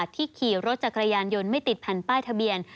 ที่ขี่รถจักรยานยนต์ไม่ติดแผ่นป้ายทะเบียน